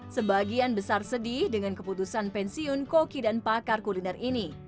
sebagian besar sedih dengan keputusan pensiun koki dan pakar kuliner ini